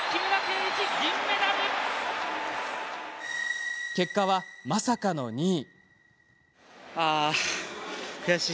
しかし。結果は、まさかの２位。